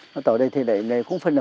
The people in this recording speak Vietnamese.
tháp tổ đây thì cũng phân làm ba